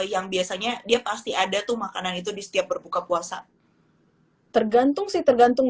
yang biasanya dia pasti ada tuh makanan itu di setiap berbuka puasa tergantung sih tergantung